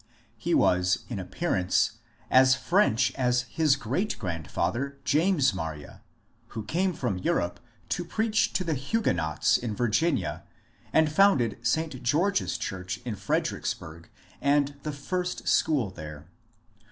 He was in appearance as French as his great grandfather James Marye, who came from Europe to preach to the Huguenots in Virginia and founded St. George's church in Fredericksburg and the first school there.